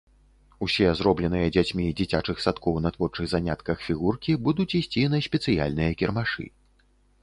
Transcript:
Усе зробленыя дзяцьмі дзіцячых садкоў на творчых занятках фігуркі будуць ісці на спецыяльныя кірмашы.